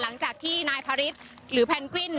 หลังจากที่นายพระฤทธิ์หรือแพนกวิน